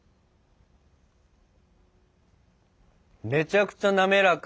めちゃくちゃ滑らか。